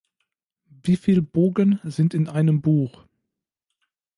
Wieviel Bogen sind in einem Buch?